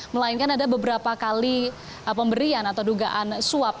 melainkan ada beberapa kali pemberian atau dugaan suap